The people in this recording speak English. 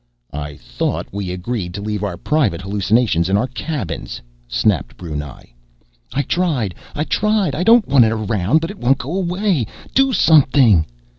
"I thought we agreed to leave our private hallucinations in our cabins," snapped Brunei. "I tried! I tried! I don't want it around, but it won't go away! Do something!"